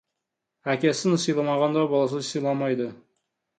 Әкесін сыйламағанды, баласы сыйламайды.